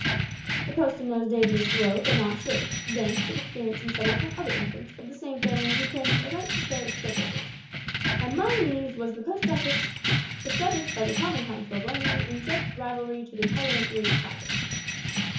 The post in those days was slow, but not sure. Then it experienced some trouble from other infants, of the same family, who claimed a right to share its privileges. Among these was a Post Office established by the Common Council of London in direct rivalry to the Parliamentary child.